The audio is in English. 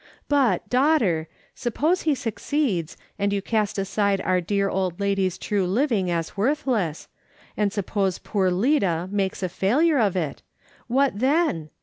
But, daughter, suppose he succeeds, and you cast aside our dear old lady's true living as worthless, and suppose poor Lida makes a failure of it, what then